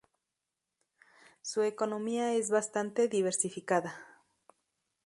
Su economía es bastante diversificada.